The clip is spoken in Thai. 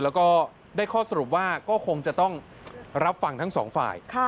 แล้วก็ได้ข้อสรุปว่าก็คงจะต้องรับฟังทั้งสองฝ่าย